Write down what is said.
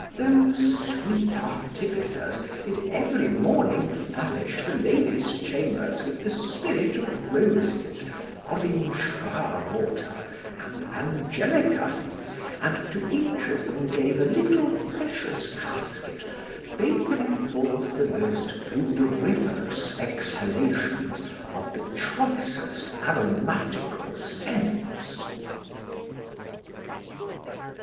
Those sweet artificers did every morning furnish the ladies' chambers with the spirit of roses, orange flower water, and angelica; and to each of them gave a little precious casket vapouring forth the most odoriferous exhalations of the choicest aromatical scents.